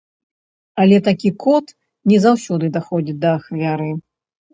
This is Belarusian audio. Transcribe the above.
Але такі код не заўсёды даходзіць да ахвяры.